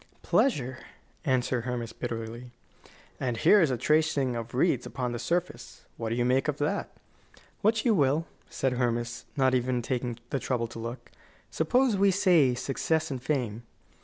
"Pleasure," answered Hermas, bitterly. "And here is a tracing of wreaths upon the surface. What do you make of that?" "What you will," said Hermas, not even taking the trouble to look. "Suppose we say success and fame?"